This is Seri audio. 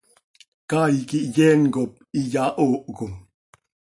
Caay quih yeen cop iyahoohcö.